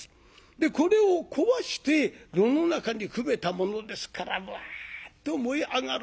でこれを壊して炉の中にくべたものですからうわっと燃え上がる。